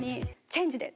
「チェンジで」